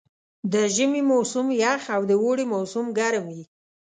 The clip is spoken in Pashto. د ژمي موسم یخ او د اوړي موسم ګرم وي.